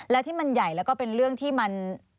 และที่มันใหญ่แล้วก็เป็นเรื่องที่มัน